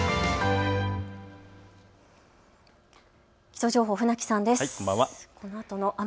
気象情報、船木さんです。